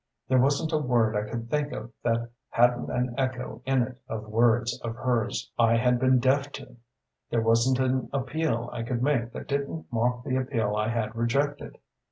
There wasn't a word I could think of that hadn't an echo in it of words of hers I had been deaf to; there wasn't an appeal I could make that didn't mock the appeal I had rejected.